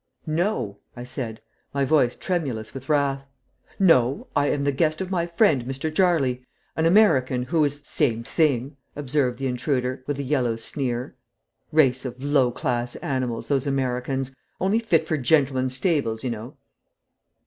"No," I said, my voice tremulous with wrath "no; I am the guest of my friend Mr. Jarley, an American, who " "Same thing," observed the intruder, with a yellow sneer. "Race of low class animals, those Americans only fit for gentlemen's stables, you know."